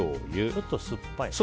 ちょっと酸っぱいのかな。